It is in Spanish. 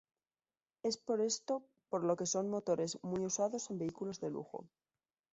Es por esto por lo que son motores muy usados en vehículos de lujo.